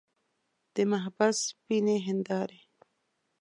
د محبس سپینې هندارې.